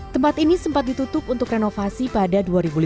tempat ini sempat ditutup untuk renovasi pada dua ribu lima belas